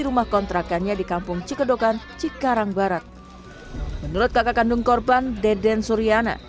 rumah kontrakannya di kampung cikedokan cikarang barat menurut kakak kandung korban deden suryana